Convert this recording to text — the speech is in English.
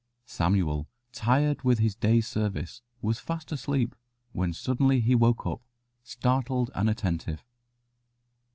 Samuel, tired with his day's service, was fast asleep, when suddenly he woke up, startled and attentive.